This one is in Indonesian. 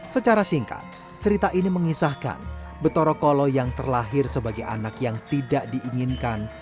secara singkat cerita ini mengisahkan betorokolo yang terlahir sebagai anak yang tidak diinginkan